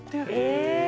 へえ。